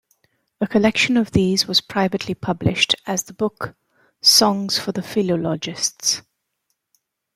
A collection of these was privately published as the book Songs for the Philologists.